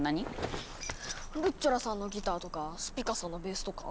ルッチョラさんのギターとかスピカさんのベースとか？